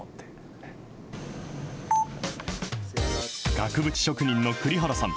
額縁職人の栗原さん。